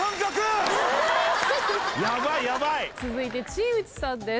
続いて新内さんです。